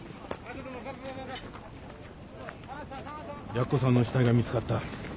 ・やっこさんの死体が見つかった。